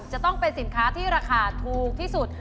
จะต้องเป็นสินค้าที่ราคาถูกที่สุด